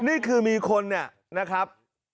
นี่คือมีคนนะครับ